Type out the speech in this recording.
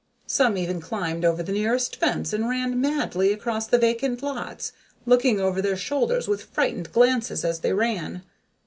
Some even climbed over the nearest fence and ran madly across vacant lots, looking over their shoulders with frightened glances as they ran.